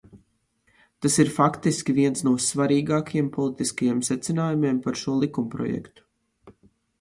Tas ir faktiski viens no svarīgākajiem politiskajiem secinājumiem par šo likumprojektu.